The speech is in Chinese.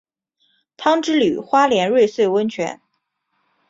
汤之旅花莲瑞穗温泉